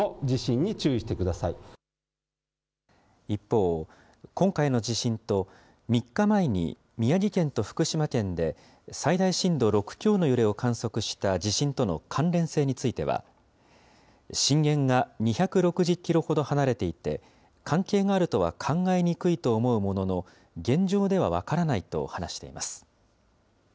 一方、今回の地震と、３日前に宮城県と福島県で最大震度６強の揺れを観測した地震との関連性については、震源が２６０キロほど離れていて、関係があるとは考えにくいと思うものの、現状では分からないと話しています。